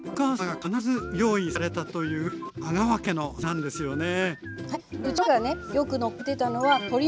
こちらはお母様が必ず用意されたという阿川家の味なんですよね。